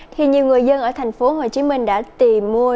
thì nhiều người dân ở tp hcm đã tìm mua